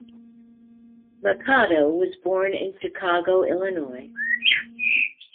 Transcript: Machado was born in Chicago, Illinois.